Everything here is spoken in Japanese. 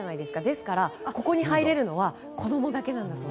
ですから、ここに入れるのは子供だけなんです。